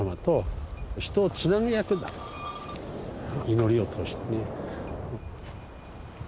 祈りを通してね。